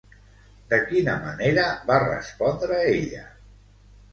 De quina manera va respondre ella?